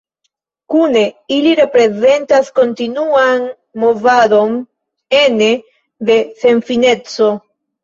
Kune, ili reprezentas kontinuan movadon ene de senfineco.